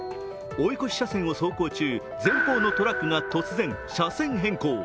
追い越し車線を走行中、前方のトラックが突然、車線変更。